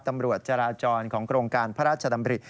ตำรวจจราจรของโครงการพระราชดำริ